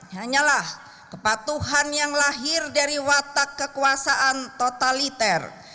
hanyalah kepatuhan yang lahir dari watak kekuasaan totaliter